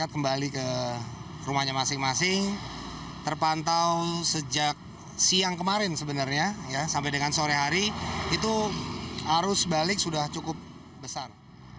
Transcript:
kembali ke rumahnya masing masing terpantau sejak siang kemarin sebenarnya sampai dengan sore hari itu arus balik sudah cukup besar